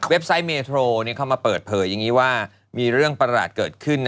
ไซต์เมโทรเข้ามาเปิดเผยอย่างนี้ว่ามีเรื่องประหลาดเกิดขึ้น